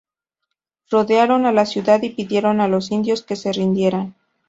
Rodearon a la ciudad y pidieron a los indios que se rindieran.